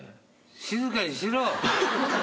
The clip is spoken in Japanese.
静かにしろ。